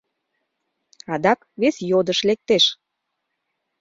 — Адак вес йодыш лектеш.